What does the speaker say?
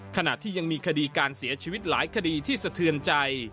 ขณะที่ยังมีคดีการเสียชีวิตหลายคดีที่สะเทือนใจ